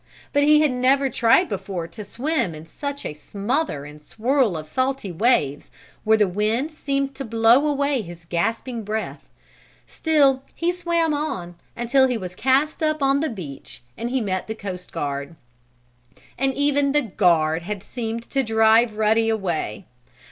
But he had never tried before to swim in such a smother and swirl of salty waves, where the wind seemed to blow away his gasping breath. Still he swam on, until he was cast up on the beach and he met the coast guard. And even the guard had seemed to drive Ruddy away.